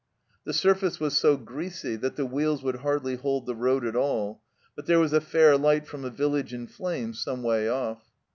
The surface was so greasy that the wheels would hardly hold the road at all, but there was a fair light from a village in flames some way off.